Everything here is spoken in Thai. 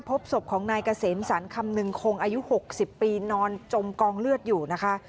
พบศพของนายเกษมสรรคำนึงคงอายุ๖๐ปีนอนจมกองเลือดอยู่นะคะ